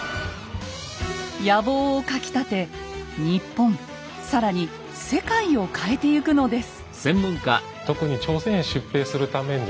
野望をかきたて日本更に世界を変えてゆくのです。